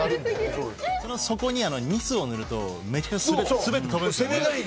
そこにニスを塗るとめっちゃ滑って飛ぶんですよね。